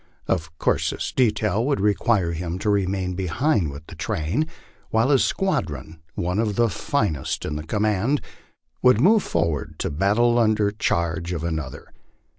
Of course this detail would require him to remain behind with the train while his squadron, one of the finest in the command, would move forward to battle under charge of an other.